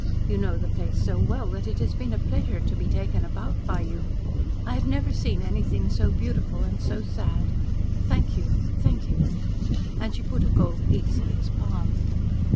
You know the place so well that it has been a pleasure to be taken about by you. I have never seen anything so beautiful and so sad. Thank you thank you." And she put a goldpiece in his palm.